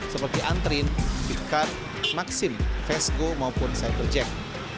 seperti antrin bitcard maxim vesgo maupun cyberjack